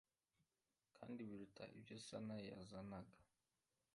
kandi biruta ibyo santa yazanaga,